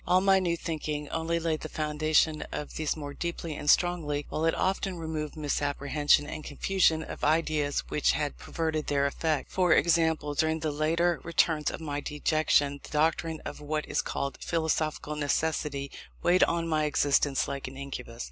All my new thinking only laid the foundation of these more deeply and strongly, while it often removed misapprehension and confusion of ideas which had perverted their effect. For example, during the later returns of my dejection, the doctrine of what is called Philosophical Necessity weighed on my existence like an incubus.